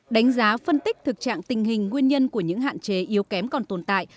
đánh giá phân tích thực trạng tình hình nguyên nhân của những hạn chế yếu kém còn tồn tại